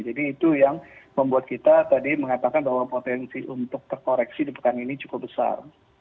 jadi itu yang membuat kita tadi mengatakan bahwa potensi untuk terkoreksi di pekan ini cukup besar